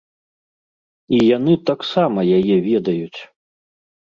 І яны таксама яе ведаюць!